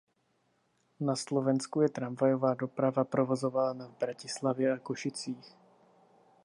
Na Slovensku je tramvajová doprava provozována v Bratislavě a Košicích.